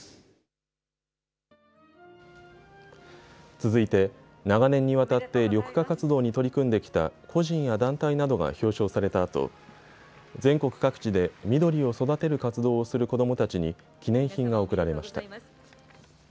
続いて長年にわたって緑化活動に取り組んできた個人や団体などが表彰されたあと全国各地で緑を育てる活動をする子どもたちに記念品が贈られました。